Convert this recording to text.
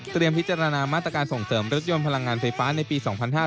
พิจารณามาตรการส่งเสริมรถยนต์พลังงานไฟฟ้าในปี๒๕๕๙